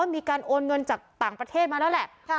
มีการโอนเงินจากต่างประเทศมาแล้วแหละ